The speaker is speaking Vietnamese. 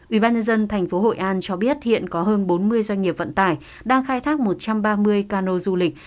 ubnd tp hội an cho biết hiện có hơn bốn mươi doanh nghiệp vận tải đang khai thác một trăm ba mươi cano du lịch